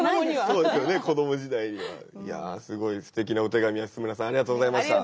そうですよね子ども時代には。いやすごいすてきなお手紙安村さんありがとうございました。